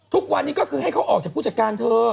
ทุกวันนี้ก็คือให้เขาออกจากผู้จัดการเธอ